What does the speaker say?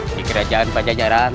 di kerajaan pajajaran